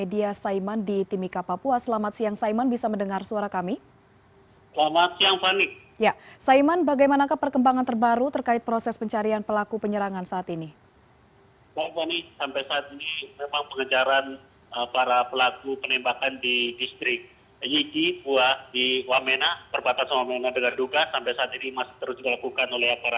dan itulah yang mengakibatkan kemarahan dari badan kelompok timur